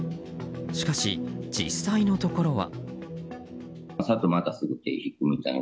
しかし、実際のところは。